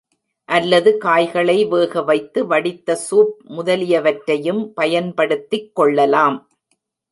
அல்லது காய்களை வேக வைத்து வடித்த சூப் முதலியவற்றையும் பயன்படுத்திக் கொள்ளலாம்.